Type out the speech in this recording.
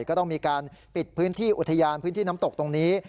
ก็ต้องมีการปิดพื้นที่อุทยานพื้นที่น้ำตกตรงนี้